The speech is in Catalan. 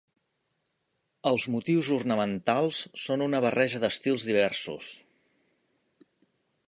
Els motius ornamentals són una barreja d'estils diversos.